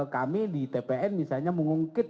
kami di tpn misalnya mengungkit